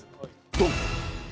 ドン！